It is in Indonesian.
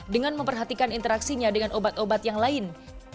dengan memperhatikan interaksinya dengan obat obat yang lain